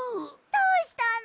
どうしたの！？